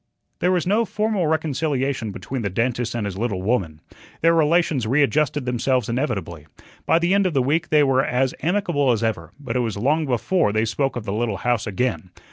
There was no formal reconciliation between the dentist and his little woman. Their relations readjusted themselves inevitably. By the end of the week they were as amicable as ever, but it was long before they spoke of the little house again.